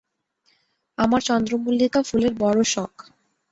আমার চন্দ্রমল্লিকা ফুলের বড়ো শখ।